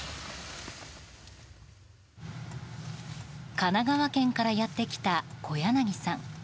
神奈川県からやってきた小柳さん。